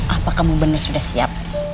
apa kamu benar sudah siap